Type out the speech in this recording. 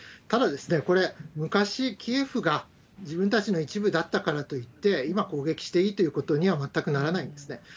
ただ、これ、昔、キエフが自分たちの一部だったからといって、今攻撃していいということには全くならないですね。